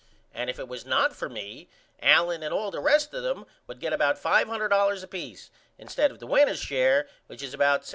And if it was not for me Allen and all the rest of them would get about $500.00 apeace instead of the winners' share which is about $750.